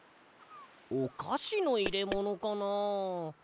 おかしのいれものかな？